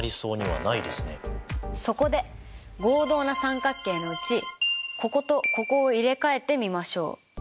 そこで合同な三角形のうちこことここを入れ替えてみましょう。